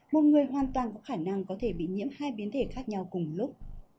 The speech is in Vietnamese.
một người hoàn toàn có khả năng có thể bị nhiễm hai biến thể khác nhau cùng lúc